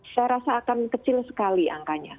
saya rasa akan kecil sekali angkanya